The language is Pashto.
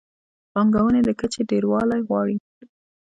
د پانګونې د کچې ډېروالی غواړي.